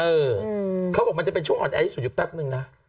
เขาบอกมันจะเป็นช่วงอ่อนแอที่สุดอยู่แป๊บนึงนะ